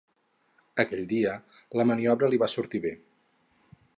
Aquell dia, la maniobra li va sortir bé.